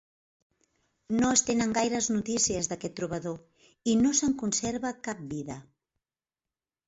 No es tenen gaires notícies d'aquest trobador i no se'n conserva cap vida.